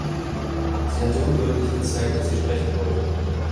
Sie hatte undeutlich gezeigt, dass sie sprechen wollte.